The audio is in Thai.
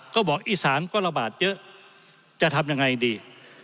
ก็บอกอีสานก็ระบาดเยอะจะทำยังไงดี